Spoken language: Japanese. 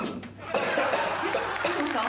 どうしました？